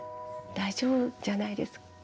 大丈夫じゃないですかね。